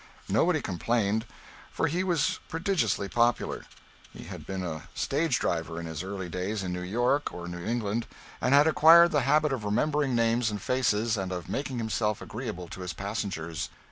Nobody complained, for he was prodigiously popular, he had been a stage driver in his early days in New York or New England, and had acquired the habit of remembering names and faces, and of making himself agreeable to his passengers.